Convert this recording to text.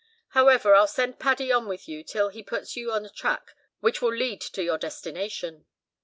However, I'll send Paddy on with you till he puts you on a track which will lead to your destination."